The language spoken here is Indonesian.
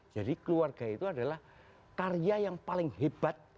jadi keluarga itu adalah karya yang paling hebat